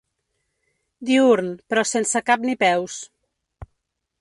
Diürn, però sense cap ni peus.